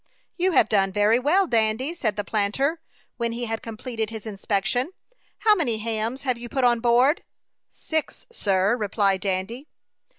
"You have done very well, Dandy," said the planter, when he had completed his inspection. "How many hams have you put on board?" "Six, sir," replied Dandy.